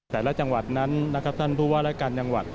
แต่ละจังหวัดนั้นนะครับท่านผู้ว่ารายการจังหวัด